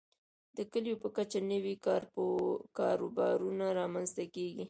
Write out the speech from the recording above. د کليو په کچه نوي کاروبارونه رامنځته کیږي.